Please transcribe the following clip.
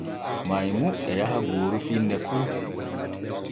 Maymu e yaha gooru finne fu.